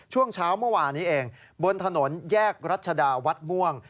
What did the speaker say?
ช่วงเช้าเมื่อวานนี้เองบนถนนแยกรัชดาวัดม่วง